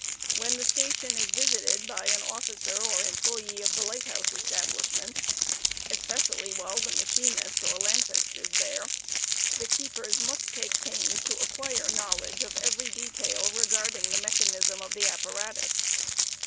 When the station is visited by an officer or employe" of the Light House Establishment, especially while the machinist or lampist is there, the keepers must take pains to acquire knowledge of every detail regarding the mechanism of the apparatus.